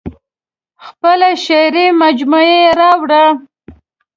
خپله شعري مجموعه یې راوړه.